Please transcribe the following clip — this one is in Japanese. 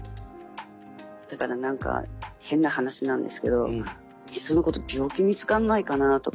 だから何か変な話なんですけどいっそのこと病気見つかんないかなとかって思って。